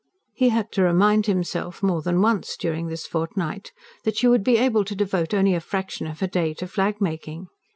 He had to remind himself more than once, during this fortnight, that she would be able to devote only a fraction of her day to flagmaking.